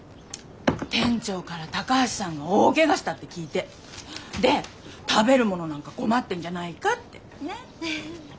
店長から高橋さんが大ケガしたって聞いて！で食べるものなんか困ってんじゃないかってねえ。